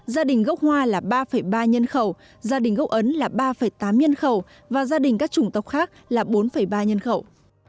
gia đình gốc hoa là ba ba nhân khẩu gia đình gốc ấn là ba tám nhân khẩu và gia đình các chủng tộc khác là bốn ba nhân khẩu